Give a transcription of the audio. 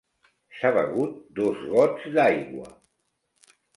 S'ha begut dos gots d'aigua.